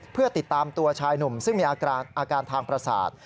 เพื่อติดตามตัวชายหนุ่มซึ่งมีอาการทางประสาท